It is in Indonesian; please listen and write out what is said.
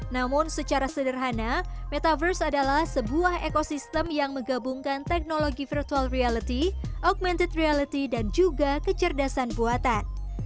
namun secara sederhana metaverse adalah sebuah ekosistem yang menggabungkan teknologi virtual reality augmented reality dan juga kecerdasan buatan